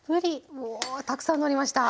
うおたくさんのりました。